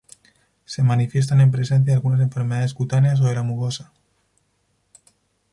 Se manifiestan en presencia de algunas enfermedades cutáneas o de la mucosa.